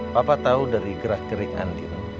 papa tahu dari gerak gerik andi